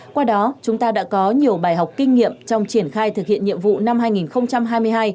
qua đó chúng ta đã có nhiều bài học kinh nghiệm trong triển khai thực hiện nhiệm vụ năm hai nghìn hai mươi hai